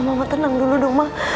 ma ma tenang dulu dong ma